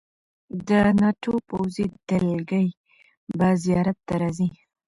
د ناټو پوځي دلګۍ به زیارت ته راځي.